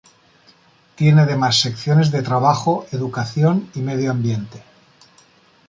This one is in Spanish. Tiene además secciones de Trabajo, Educación y Medio Ambiente.